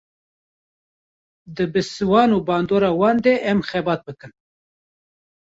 Di bi sîvan û bandora wan de em xebat bikin